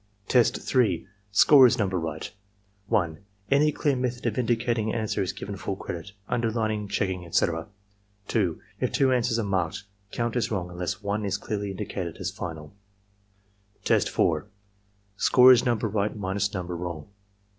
Tests (Score is number right.) 1. Any clear method of indicating answer is given full credit — underlining, checking, etc. 2. If two answers are marked, count as wrong unless one is clearly indicated as final Test 4 (Score is number right minus number wrong.)